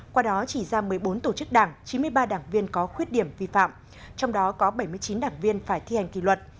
qua đó chỉ ra một mươi bốn tổ chức đảng chín mươi ba đảng viên có khuyết điểm vi phạm trong đó có bảy mươi chín đảng viên phải thi hành kỳ luật